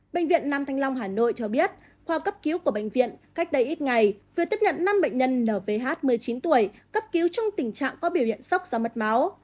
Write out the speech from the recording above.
bệnh viện nam thanh long hà nội cho biết khoa cấp cứu của bệnh viện cách đây ít ngày vừa tiếp nhận năm bệnh nhân n vh một mươi chín tuổi cấp cứu trong tình trạng có biểu hiện sốc do mất máu